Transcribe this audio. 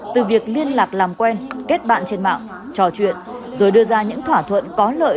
từ việc liên lạc làm quen kết bạn trên mạng trò chuyện rồi đưa ra những thỏa thuận có lợi